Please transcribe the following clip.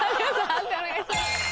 判定お願いします。